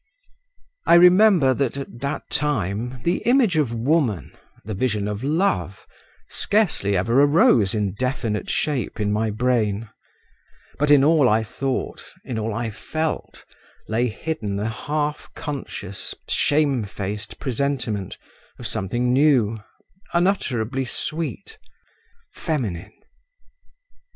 I remember that at that time the image of woman, the vision of love, scarcely ever arose in definite shape in my brain; but in all I thought, in all I felt, lay hidden a half conscious, shamefaced presentiment of something new, unutterably sweet, feminine….